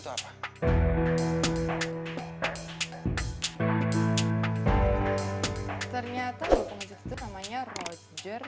ternyata namanya roger